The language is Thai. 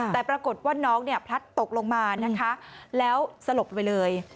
แต่ปรากฏว่าน้องพลัดตกลงมาแล้วสลบไปเลย